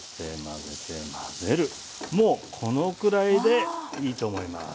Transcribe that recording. もうこのくらいでいいと思います。